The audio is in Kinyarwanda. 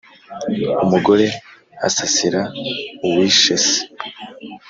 Umugore asasira uwishe se.